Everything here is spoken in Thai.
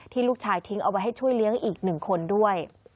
ลูกชายทิ้งเอาไว้ให้ช่วยเลี้ยงอีก๑คนด้วย